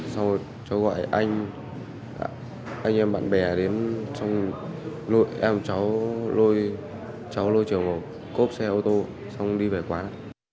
xong rồi cháu gọi anh em bạn bè đến xong lôi em cháu lôi trường vào cốp xe ô tô xong đi về quán